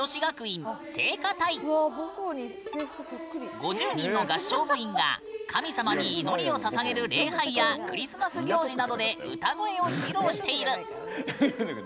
５０ 人の合唱部員が神様に祈りをささげる礼拝やクリスマス行事などで歌声を披露している。